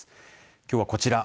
きょうは、こちら。